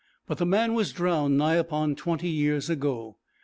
but the man was drowned nigh upon twenty years ago.